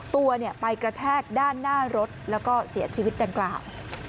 ตัวไปกระแทกด้านหน้ารถแล้วก็เสียชีวิตดังกล่าว